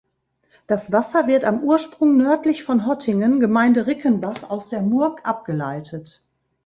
Das Wasser wird am Ursprung nördlich von Hottingen, Gemeinde Rickenbach, aus der Murg abgeleitet.